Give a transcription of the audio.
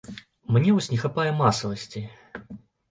Мне вось не хапае масавасці.